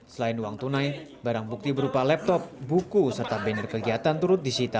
selain uang tunai barang bukti berupa laptop buku serta banner kegiatan turut disita